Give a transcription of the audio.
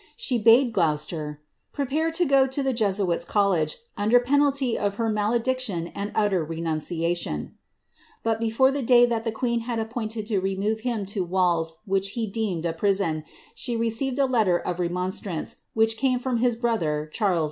She bade Gloucester '^ pre pare to go to the Jesuits' C!olIege, under penalty of her malediction and utier renunciation ;" but before the day that the queen had appointed to remove him to walls which he deemed a prison, she received a letter of remonstrance, which came from his brother, Charles II.